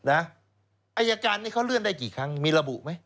อายการนี้เขาเลื่อนได้กี่ครั้งมีระบุไหม